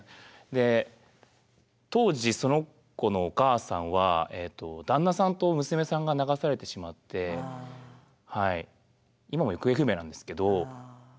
で当時その子のお母さんは旦那さんと娘さんが流されてしまって今も行方不明なんですけど。